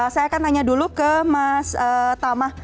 saya akan tanya dulu ke mas tama